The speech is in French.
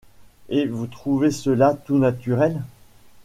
Et vous trouvez cela tout naturel ?...